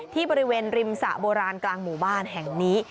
ที่บริเวณริมสระโบราณกลางหมู่บ้านแห่งนี้